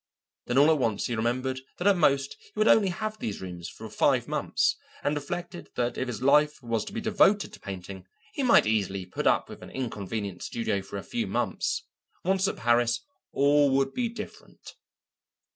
Then all at once he remembered that at most he would only have these rooms for five months, and reflected that if his whole life was to be devoted to painting he might easily put up with an inconvenient studio for a few months. Once at Paris all would be different.